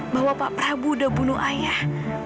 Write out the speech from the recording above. bahwa pak prabu udah bunuh ayah